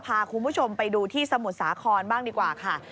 พาคุณผู้ชมไปดูที่สมุทรสาครบ้างดีกว่าค่ะ